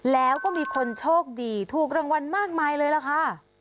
แล้วก็มีคนโชคดีถูกรางวัลมากมายเลยล่ะค่ะ